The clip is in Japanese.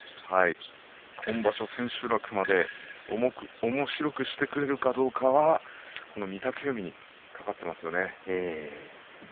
今場所、千秋楽までおもしろくしてくれるかどうかはこの御嶽海にかかっていますよね。